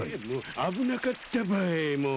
「危なかったばいもう」